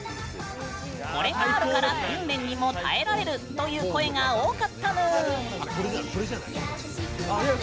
これがあるから訓練にも耐えられるという声が多かったぬーん。